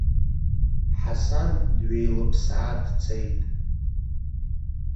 Ҳасан дҩеилԥсаа дцеит.